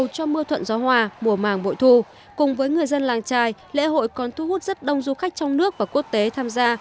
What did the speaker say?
với những người dân làng chài lễ hội còn thu hút rất đông du khách trong nước và quốc tế tham gia